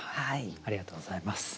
ありがとうございます。